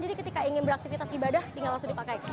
jadi ketika ingin beraktivitas ibadah tinggal langsung dipakai